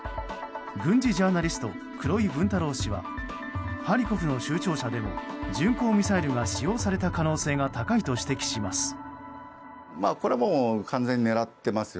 軍事ジャーナリスト黒井文太郎氏はハリコフの州庁舎でも巡航ミサイルが使用された可能性が高いと指摘します。